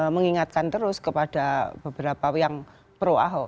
mengingatkan terus kepada beberapa yang pro ahok